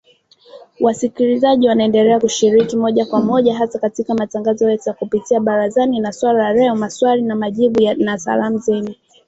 Wasikilizaji wanaendelea kushiriki moja kwa moja hasa katika matangazo yetu ya kupitia Barazani na Swali la Leo, Maswali na Majibu na Salamu Zenu.